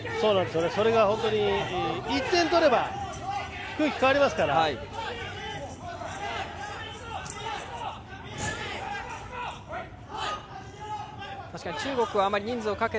本当に１点取れば空気、変わりますから。